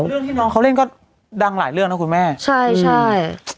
เรื่องที่น้องเขาเล่นก็ดังหลายเรื่องนะคุณแม่ใช่ใช่